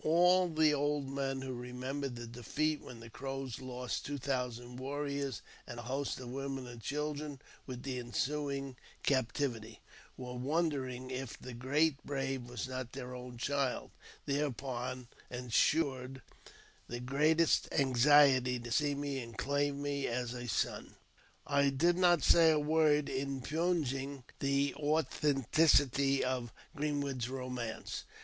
All the old women who remembered the defeat, when the Crows lost two thousand warriors and a host of women and children, with the ensuing captivity, were wonder ing if the great brave was not their own child ; thereupon ensued the greatest anxiety to see me and claim me as a son. I did not say a word impugning the authenticity of Green wood's romance.